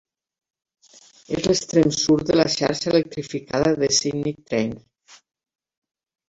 És l'extrem sud de la xarxa electrificada de Sydney Trains.